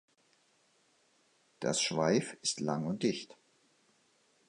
Das Schweif ist lang und dicht.